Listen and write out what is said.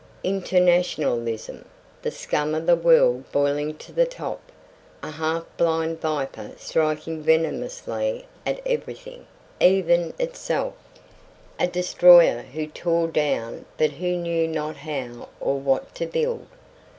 Internationalism. The scum of the world boiling to the top. A half blind viper striking venomously at everything even itself! A destroyer who tore down but who knew not how or what to build.